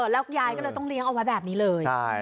แล้วยายก็เลยต้องเลี้ยงเอาไว้แบบนี้เลย